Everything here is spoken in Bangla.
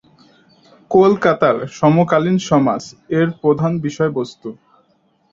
কলকাতার সমকালীন সমাজ এর প্রধান বিষয়বস্ত্ত।